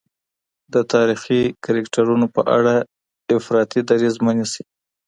د تاریخي کرکټرونو په اړه افراطي دریځ مه نیسئ.